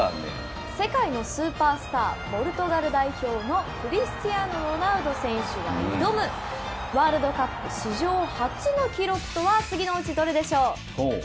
世界のスーパースターポルトガル代表のクリスティアーノ・ロナウド選手が挑むワールドカップ史上初の記録とは次のうちどれでしょう？